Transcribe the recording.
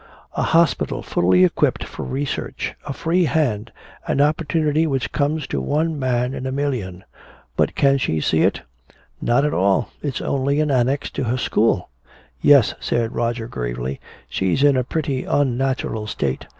A hospital fully equipped for research, a free hand, an opportunity which comes to one man in a million! But can she see it? Not at all! It's only an annex to her school!" "Yes," said Roger gravely, "she's in a pretty unnatural state.